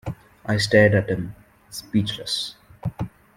I stared at him, speechless.